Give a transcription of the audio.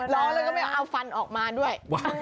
ร้องแล้วก็ไม่เอาฟันออกมาด้วย